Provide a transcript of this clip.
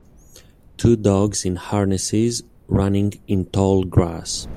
Two dogs in harnesses running in tall grass.